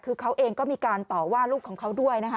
คือเขาเองก็มีการต่อว่าลูกของเขาด้วยนะคะ